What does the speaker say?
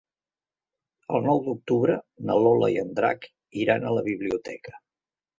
El nou d'octubre na Lola i en Drac iran a la biblioteca.